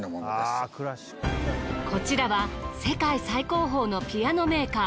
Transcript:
こちらは世界最高峰のピアノメーカー